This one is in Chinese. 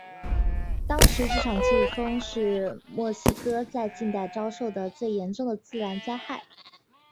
当时这场飓风是墨西哥在近代遭受的最严重的自然灾害。